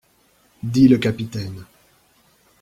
Dit le capitaine.